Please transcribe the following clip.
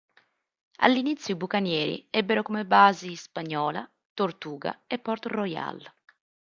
All'inizio i bucanieri ebbero come basi Hispaniola, Tortuga e Port Royal.